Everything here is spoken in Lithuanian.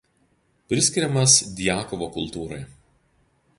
Priskiriamas Djakovo kultūrai.